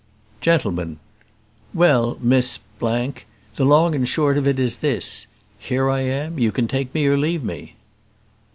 Gentleman. "Well, Miss , the long and short of it is this: here I am; you can take me or leave me."